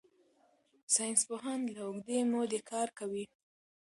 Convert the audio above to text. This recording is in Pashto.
ساینسپوهان له اوږدې مودې کار کوي.